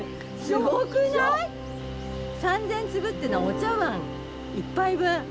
すごい！３，０００粒ってのはお茶わん１杯分。